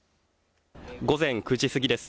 午前９時過ぎです。